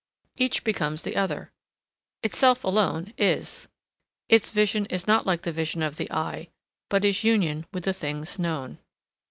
Each becomes the other. Itself alone is. Its vision is not like the vision of the eye, but is union with the things known.